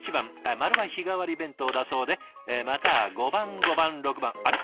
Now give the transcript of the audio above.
丸は日替わり弁当だそうでまた５番５番６番あれ？